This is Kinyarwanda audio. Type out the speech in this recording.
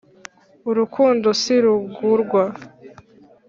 urukundo sirugurwa